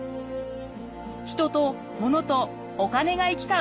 人とものとお金が行き交う